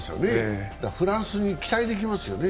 フランスに期待できますよね。